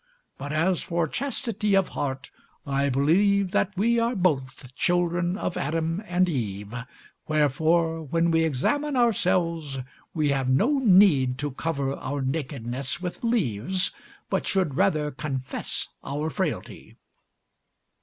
But as for chastity of heart, I believe that we are both children of Adam and Eve; wherefore, when we examine ourselves, we have no need to cover our nakedness with leaves, but should rather confess our frailty."